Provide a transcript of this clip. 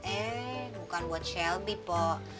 eh bukan buat shelby po